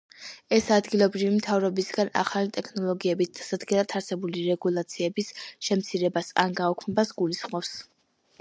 ეს ადგილობრივი მთავრობისგან ახალი ტექნოლოგიების დასანერგად, არსებული რეგულაციების შემცირებას, ან გაუქმებას გულისხმობს.